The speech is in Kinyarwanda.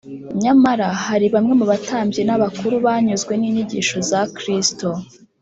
nyamara hari bamwe mu batambyi n’abakuru banyuzwe n’inyigisho za kristo,